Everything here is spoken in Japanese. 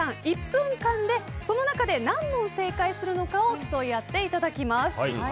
１分間で何問正解するのかを競い合っていただきます。